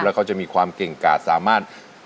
แล้วเขาจะมีความเก่งกาดสามารถ